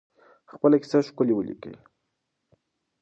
خپله کیسه ښکلې ولیکئ.